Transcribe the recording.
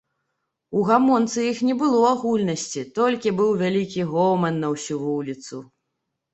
У гамонцы іх не было агульнасці, толькі быў вялікі гоман на ўсю вуліцу.